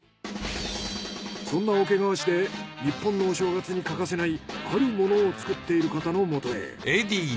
そんな桶川市で日本のお正月に欠かせないあるものを作っている方の元へ。